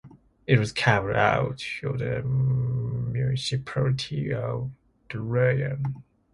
It was carved out of the municipality of Talayan.